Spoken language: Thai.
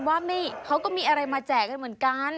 ว่าเขาก็มีอะไรมาแจกกันเหมือนกัน